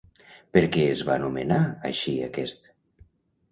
Per què es va anomenar així aquest?